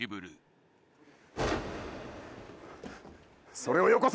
それをよこせ！